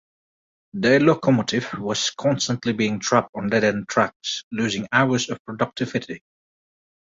Their locomotive was constantly being trapped on dead-end tracks, losing hours of productivity.